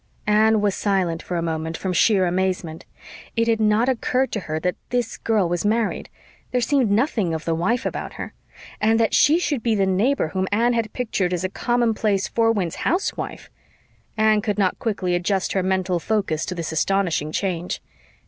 Anne was silent for a moment from sheer amazement. It had not occurred to her that this girl was married there seemed nothing of the wife about her. And that she should be the neighbor whom Anne had pictured as a commonplace Four Winds housewife! Anne could not quickly adjust her mental focus to this astonishing change.